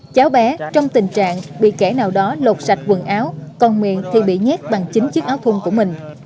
cháu bé trong tình trạng bị kẻ nào đó lột sạch quần áo còn miệng thì bị nhét bằng chính chiếc áo thung của mình